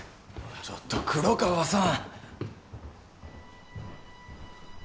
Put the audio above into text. ちょっと黒川さん